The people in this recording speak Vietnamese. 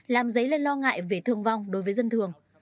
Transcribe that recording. làm dấy lên lo ngại về thương vong đối với dân thường